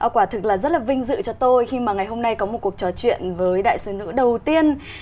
quả thực là rất là vinh dự cho tôi khi mà ngày hôm nay có một cuộc trò chuyện với đại sứ nữ đầu tiên